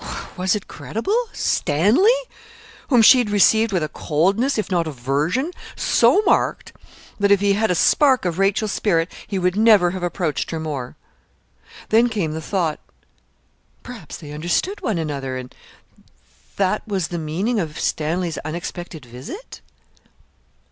Was it credible? Stanley! whom she had received with a coldness, if not aversion, so marked, that, if he had a spark of Rachel's spirit, he would never have approached her more! Then came the thought perhaps they understood one another, and that was the meaning of Stanley's unexpected visit?